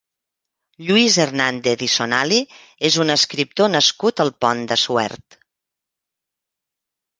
Lluís Hernàndez i Sonali és un escriptor nascut al Pont de Suert.